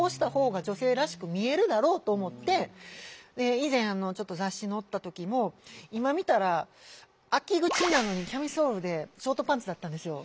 以前雑誌に載った時も今見たら秋口なのにキャミソールでショートパンツだったんですよ。